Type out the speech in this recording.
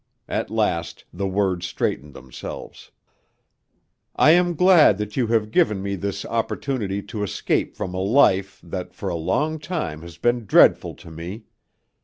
At last, the words straightened themselves. I am glad that you have given me this opportunity to escape from a life that for a long time has been dreadful to me.